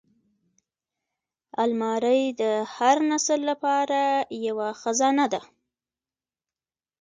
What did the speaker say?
الماري د هر نسل لپاره یوه خزانه ده